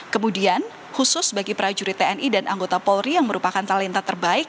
kemudian khusus bagi prajurit tni dan anggota polri yang merupakan talenta terbaik